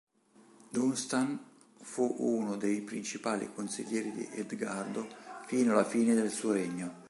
Dunstan fu uno dei principali consiglieri di Edgardo fino alla fine del suo regno.